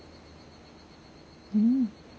うん。